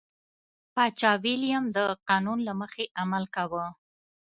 پاچا ویلیم د قانون له مخې عمل کاوه.